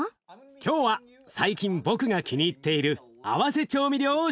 今日は最近僕が気に入っている合わせ調味料を紹介するよ。